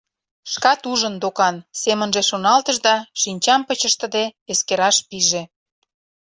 «Шкат ужын, докан!» — семынже шоналтыш да, шинчам пыч ыштыде, эскераш пиже.